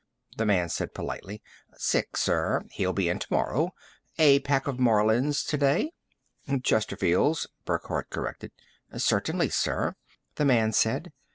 The man said politely, "Sick, sir. He'll be in tomorrow. A pack of Marlins today?" "Chesterfields," Burckhardt corrected. "Certainly, sir," the man said.